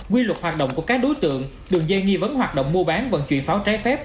quy luật hoạt động của các đối tượng đường dây nghi vấn hoạt động mua bán vận chuyển pháo trái phép